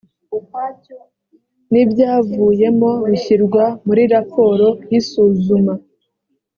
n ibyavuyemo bishyirwa muri raporo y isuzuma